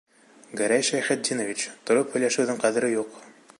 Гәрәй Шәйхетдинович, тороп һөйләшеүҙең ҡәҙере юҡ.